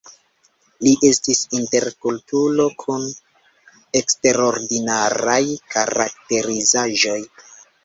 Li estis intelektulo kun eksterordinaraj karakterizaĵoj.